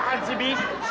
apaan sih bi